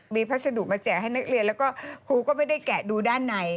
มีพัสดุมาแจกให้นักเรียนแล้วก็ครูก็ไม่ได้แกะดูด้านใน